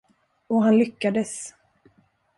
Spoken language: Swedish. Och han lyckades.